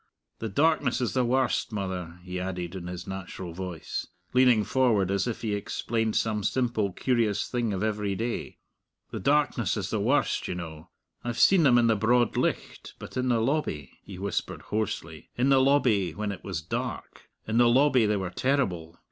The darkness is the warst, mother," he added, in his natural voice, leaning forward as if he explained some simple, curious thing of every day. "The darkness is the warst, you know. I've seen them in the broad licht; but in the lobby," he whispered hoarsely "in the lobby when it was dark in the lobby they were terrible.